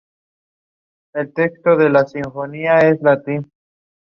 The raid was part of the South Sudanese Civil War.